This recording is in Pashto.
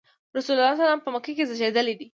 رسول الله ﷺ په مکه کې زېږېدلی.